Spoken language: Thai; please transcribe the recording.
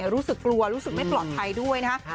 รู้สึกกลัวรู้สึกไม่ปลอดภัยด้วยนะฮะ